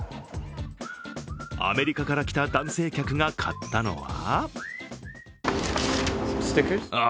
アメリカから来た男性客が買ったのは？